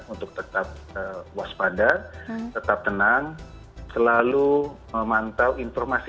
untuk tetap waspada tetap tenang selalu memantau informasi